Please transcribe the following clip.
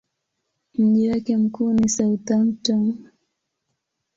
Mji wake mkuu ni Southampton.